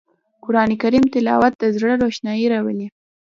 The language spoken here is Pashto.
قرآن کریم تلاوت د زړه روښنايي راولي